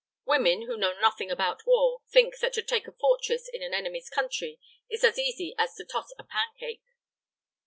Women, who know nothing about war, think that to take a fortress in an enemy's country is as easy as to toss a pan cake."